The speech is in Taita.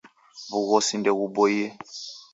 W'ughosi ndeguboie.